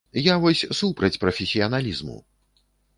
Я вось супраць прафесіяналізму!